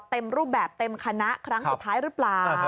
เต็มรูปแบบเต็มคณะครั้งสุดท้ายหรือเปล่า